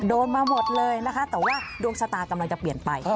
โดนมาหมดเลยนะคะแต่ว่าดวงชะตากำลังจะเปลี่ยนไป